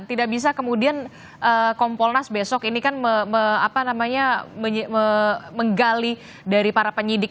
tidak bisa kemudian kompolnas besok ini kan menggali dari para penyidik